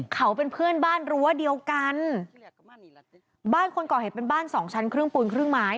เขาเป็นเพื่อนบ้านรั้วเดียวกันบ้านคนก่อเหตุเป็นบ้านสองชั้นครึ่งปูนครึ่งไม้